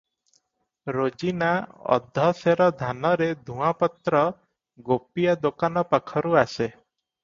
ରୋଜିନା ଅଧ ସେର ଧାନରେ ଧୂଆଁପତ୍ର ଗୋପିଆ ଦୋକାନ ପାଖରୁ ଆସେ ।